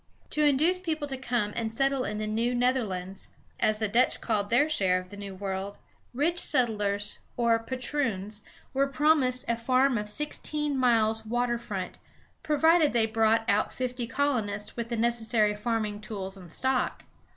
To induce people to come and settle in the New Netherlands, as the Dutch called their share of the New World, rich settlers, or patroons, were promised a farm of sixteen miles' water front, provided they brought out fifty colonists with the necessary farming tools and stock.